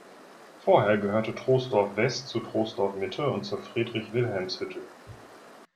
Vorher gehörte Troisdorf-West zu Troisdorf-Mitte und zur Friedrich-Wilhelms-Hütte.